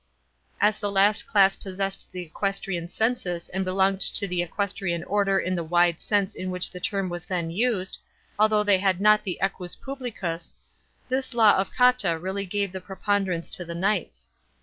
As the last class possessed the equestrian census and belonged to the equestrian order in the wide sense hi which the term was then used, although they had not the equus publicus, this law of Cotta really gave the preponderance to the knights.